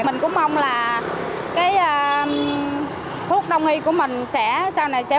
mình cũng mong là cái thuốc đông y của mình sau này sẽ phổ biến